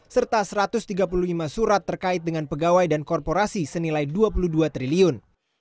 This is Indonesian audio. serta satu ratus tiga puluh lima surat terkait dengan pegawai dan korporasi senilai dua puluh dua triliun